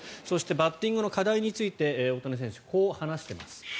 そしてバッティングの課題について大谷選手はこう話しています。